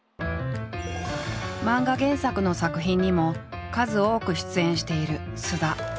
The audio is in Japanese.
漫画原作の作品にも数多く出演している菅田。